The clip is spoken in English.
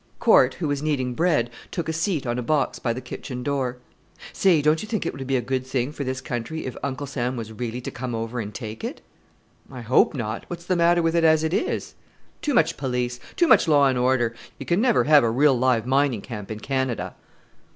Corte, who was kneading bread, took a seat on a box by the kitchen door. "Say! don't you think it would be a good thing for this country if Uncle Sam was really to come over and take it?" "I hope not. What's the matter with it as it is?" "Too much police too much law and order; you can never have a real live mining camp in Canada."